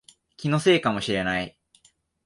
気のせいかもしれない